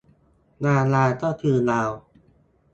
ดาราก็คือดาว